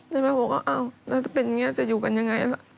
แล้วแม่ก็บอกว่าเอ้าถ้าเป็นอย่างนี้จะอยู่กันอย่างไรล่ะ